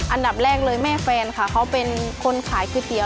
อันดับแรกเลยแม่แฟนค่ะเขาเป็นคนขายก๋วยเตี๋ย